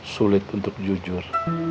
sulit untuk jujur